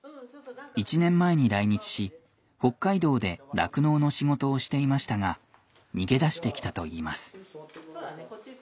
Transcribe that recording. １年前に来日し北海道で酪農の仕事をしていましたが逃げ出してきたといいます。